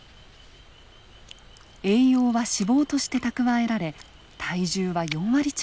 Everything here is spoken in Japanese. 栄養は脂肪として蓄えられ体重は４割近くも増えます。